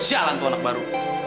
sialan tuanak baru